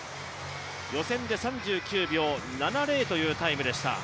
予選で３９秒７０というタイムでした。